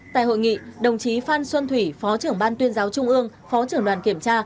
tại hội nghị đồng chí phan xuân thủy phó trưởng ban tuyên giáo trung ương phó trưởng đoàn kiểm tra